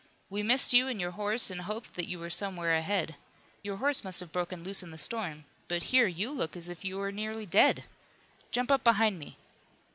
"We missed you and your horse and hoped that you were somewhere ahead. Your horse must have broken loose in the storm. But here, you look as if you were nearly dead! Jump up behind me!"